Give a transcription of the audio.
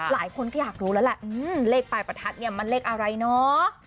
หลายคนก็อยากรู้แล้วแหละเลขปลายประทัดเนี่ยมันเลขอะไรเนาะ